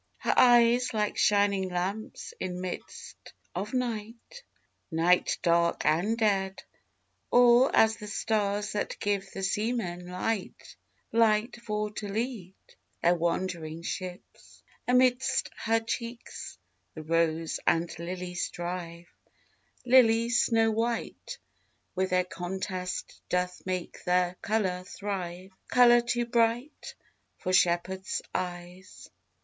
Her eyes like shining lamps in midst of night, Night dark and dead: Or as the stars that give the seamen light, Light for to lead Their wandering ships. Amidst her cheeks the rose and lily strive, Lily snow white: When their contést doth make their colour thrive, Colour too bright For shepherds' eyes.